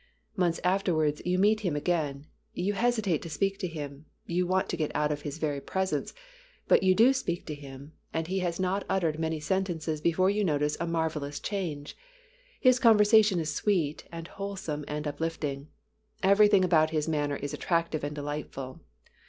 Months afterwards you meet him again. You hesitate to speak to him; you want to get out of his very presence, but you do speak to him, and he has not uttered many sentences before you notice a marvellous change. His conversation is sweet and wholesome and uplifting; everything about his manner is attractive and delightful.